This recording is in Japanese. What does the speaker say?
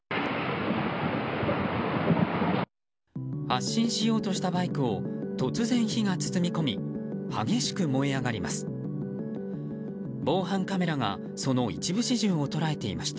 発進しようとしたバイクを突然、火が包み込み激しく燃え上がります。